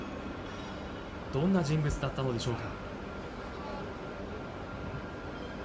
どんな人物だったのでしょうか。